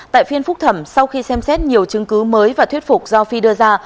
tại phiên phúc thẩm sau khi xem xét nhiều chứng cứ mới và thuyết phục do phi đưa ra